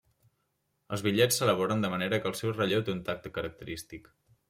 Els bitllets s'elaboren de manera que el seu relleu té un tacte característic.